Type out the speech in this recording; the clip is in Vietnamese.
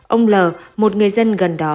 ông l một người dân gần đó